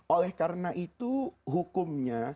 oleh karena itu hukumnya